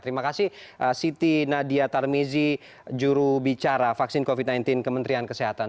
terima kasih siti nadia tarmizi juru bicara vaksin covid sembilan belas kementerian kesehatan